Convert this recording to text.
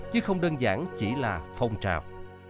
chứ không đơn giản chỉ là phong trào